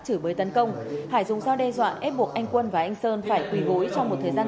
chửi bới tấn công hải dùng dao đe dọa ép buộc anh quân và anh sơn phải quỳ gối trong một thời gian